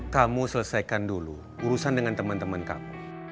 kamu selesaikan dulu urusan dengan temen temen kamu